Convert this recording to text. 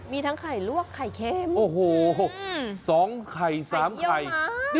มีทั้งไข่ลวกไข่เค็มโอ้โหสองไข่สามไข่ไข่เยี่ยวม้า